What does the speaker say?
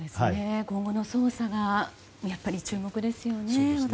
今後の捜査に注目ですよね。